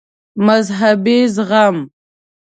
مذهبي زغم